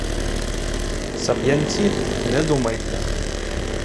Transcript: Сап'янці — не думайте!